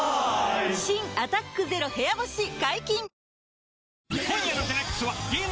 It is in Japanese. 新「アタックＺＥＲＯ部屋干し」解禁‼